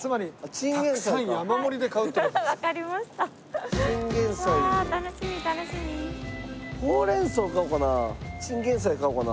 チンゲンサイ買おうかな？